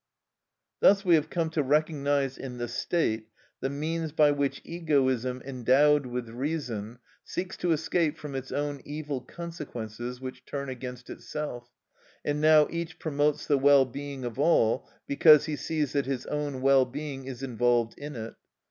Thus we have come to recognise in the state the means by which egoism endowed with reason seeks to escape from its own evil consequences which turn against itself, and now each promotes the well being of all because he sees that his own well being is involved in it.